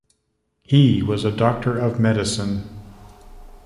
He was a doctor of medicine.